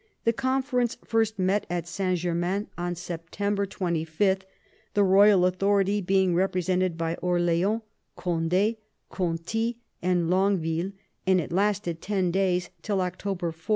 The conference first met at Saint Germain on September 68 MAZARIN chap. 25, the royal authority being represented by Orleans, Conde, Conti, *and Longueville ; and it lasted ten days, till October 4.